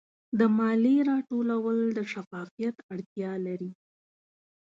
د مالیې راټولول د شفافیت اړتیا لري.